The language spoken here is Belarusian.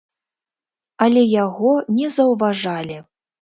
Але яго не заўважалі.